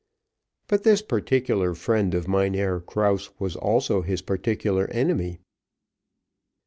But this particular friend of Mynheer Krause was also his particular enemy.